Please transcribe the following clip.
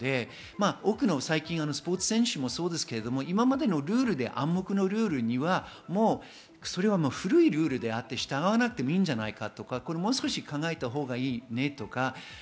多くのスポーツ選手もそうですが、今までのルールで暗黙のルールには古いルールであって、従わなくてもいいんじゃないか、もう少し考えたほうがいいとか。